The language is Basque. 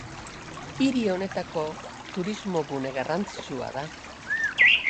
Hiri honetako turismo gune garrantzitsua da.